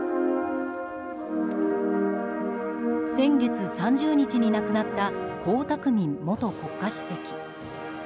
先月３０日に亡くなった江沢民元国家主席。